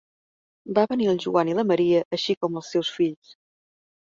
Van venir el Joan i la Maria així com els seus fills.